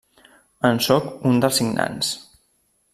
En sóc un dels signants.